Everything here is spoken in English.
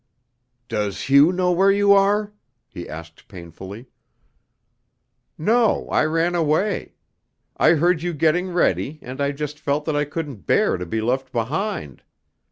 "Does Hugh know where you are?" he asked painfully. "No. I ran away. I heard you getting ready, and I just felt that I couldn't bear to be left behind.